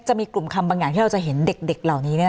จะมีกลุ่มคำบางอย่างที่เราจะเห็นเด็กเหล่านี้